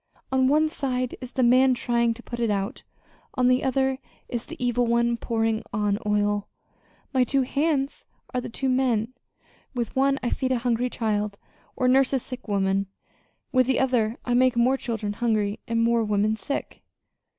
On one side is the man trying to put it out; on the other, is the evil one pouring on oil. My two hands are the two men. With one I feed a hungry child, or nurse a sick woman; with the other I make more children hungry and more women sick."